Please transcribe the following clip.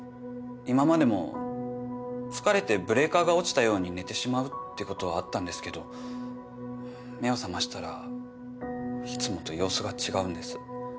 今までも疲れてブレーカーが落ちたように寝てしまうってことはあったんですけど目を覚ましたらいつもと様子が違うんです。